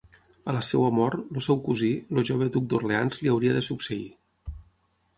A la seva mort, el seu cosí, el jove duc d'Orleans li hauria de succeir.